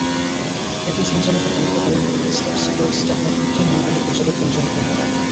এতে সঞ্চালকের দায়িত্ব পালন করেন স্টেপস টুয়ার্ডস ডেভেলপমেন্টের নির্বাহী পরিচালক রঞ্জন কর্মকার।